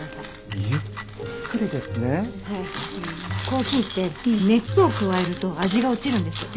コーヒーって熱を加えると味が落ちるんです。